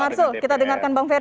bang arsul kita dengarkan bang ferry